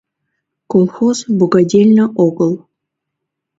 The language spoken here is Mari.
Колхоз богадельне огыл.